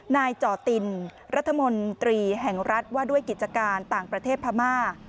นายจ่อตินรัฐมนตรีแห่งรัฐว่าด้วยกิจการต่างประเทศพม่า